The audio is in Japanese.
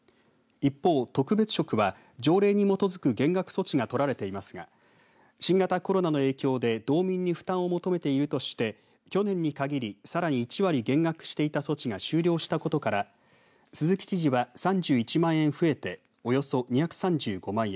一方、特別職は条例に基づく減額措置が取られていますが新型コロナの影響で道民に負担を求めているとして去年に限り、さらに１割減額していた措置が終了したことから鈴木知事は、３１万円増えておよそ２３５万円。